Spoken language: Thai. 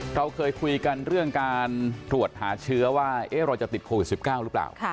เราเคยคุยกันเรื่องการตรวจหาเชื้อว่าเราจะติดโควิด๑๙หรือเปล่า